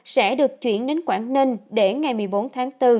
sẽ được chuyển đến quảng ninh để ngày một mươi bốn tháng bốn